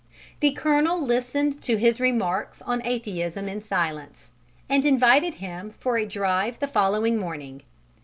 The colonel listened to his remarks on atheism in silence, and invited him for a drive the following morning.